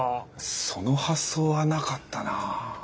その発想はなかったなぁ。